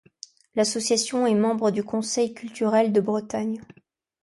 L'association est membre du Conseil Culturel de Bretagne.